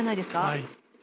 はい。